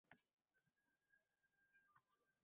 Elektron hukumat sohasini davlat tomonidan tartibga solish